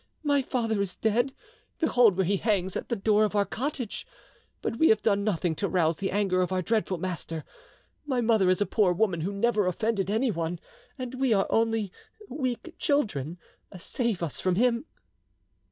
My father is dead, behold where he hangs at the door of our cottage! But we have done nothing to rouse the anger of our dreadful master. My mother is a poor woman who never offended anyone, and we are only weak children. Save us from him!"